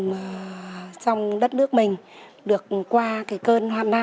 và trong đất nước mình được qua cái cơn hàn nam